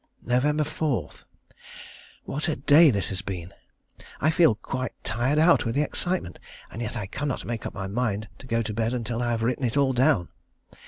Nov. 4. What a day this has been! I feel quite tired out with the excitement, and yet I cannot make up my mind to go to bed until I have written it all down.